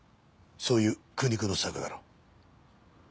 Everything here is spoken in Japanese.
そういう苦肉の策だろう。